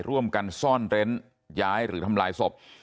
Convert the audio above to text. ร่วมกันซ่อนเร้นย้ายหรือทำลายศพ